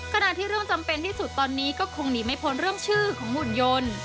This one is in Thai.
ขณะที่เรื่องจำเป็นที่สุดตอนนี้ก็คงหนีไม่พ้นเรื่องชื่อของหุ่นยนต์